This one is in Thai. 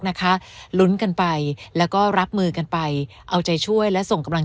นะคะลุ้นกันไปแล้วก็รับมือกันไปเอาใจช่วยและส่งกำลัง